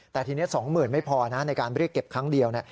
แต่ทีนี้๒๐๐๐ไม่พอนะในการเรียกเก็บครั้งเดียว